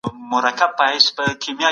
نوي ژوند ته مخه کړئ.